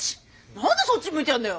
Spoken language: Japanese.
何でそっち向いてんだよ。